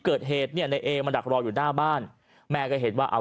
เกิดเหตุเนี่ยในเอมาดักรออยู่หน้าบ้านแม่ก็เห็นว่าเอา